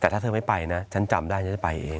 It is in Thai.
แต่ถ้าเธอไม่ไปนะฉันจำได้ฉันจะไปเอง